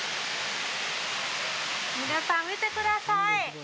皆さん、見てください！